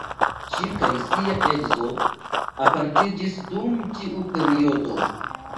Ŝi kaj sia edzo apartiĝis dum tiu periodo.